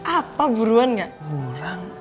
apa buruan gak burang